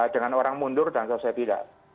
dengan orang mundur dan selesai tidak